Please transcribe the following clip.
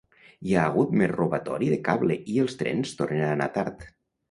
Hi ha hagut més robatori de cable i els trens tornen a anar tard